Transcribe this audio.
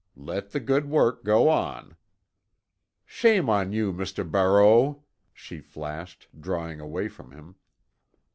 Let the good work go on." "Shame on you, Mr. Barreau!" she flashed, drawing away from him.